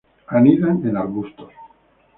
Anidan en arbustos.